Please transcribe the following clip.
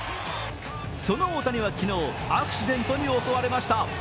その大谷は昨日、アクシデントに襲われました。